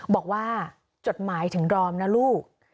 บอกว่าจดหมายถึงดอมนะลูก